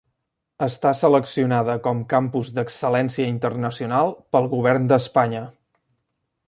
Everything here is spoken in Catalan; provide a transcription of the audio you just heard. Està seleccionada com Campus d'Excel·lència Internacional pel Govern d'Espanya.